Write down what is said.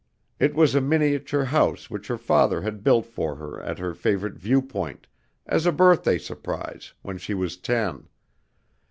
It was a miniature house which her father had built for her at her favorite view point, as a birthday surprise, when she was ten.